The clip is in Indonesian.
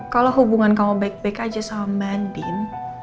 kalau hubungan kamu baik baik aja sama mbak andin